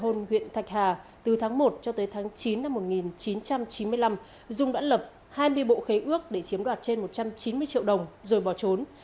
thôn huyện thạch hà từ tháng một cho tới tháng chín năm một nghìn chín trăm chín mươi năm dung đã lập hai mươi bộ khấy ước để chiếm đoạt trên một trăm chín mươi triệu đồng rồi bỏ trốn